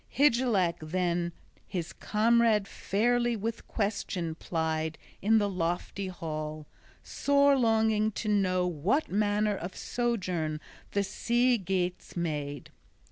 Hygelac then his comrade fairly with question plied in the lofty hall, sore longing to know what manner of sojourn the Sea Geats made.